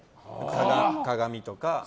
鏡とか。